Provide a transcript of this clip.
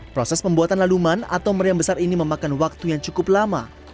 proses pembuatan laduman atau meriam besar ini memakan waktu yang cukup lama